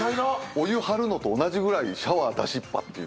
お湯張るのと同じぐらいシャワー出しっぱっていう。